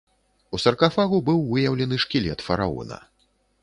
У саркафагу быў выяўлены шкілет фараона.